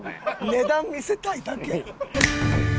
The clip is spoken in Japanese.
値段見せたいだけやん。